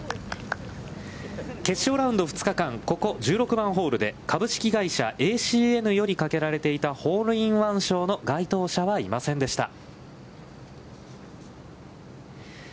決勝ラウンド２日間、ここ１６番ホールで、株式会社ＡＣＮよりかけられていたホールインワン賞の該当者はいませんでした。”